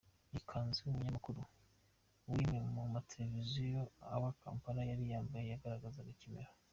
Iyi kanzu umunyamakuru w'imwe mu mateleviziyo aba Kampala yari yambaye yagaragazaga ikimero.